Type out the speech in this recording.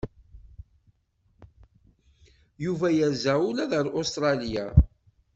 Yuba yerza ula ar Ustṛalya?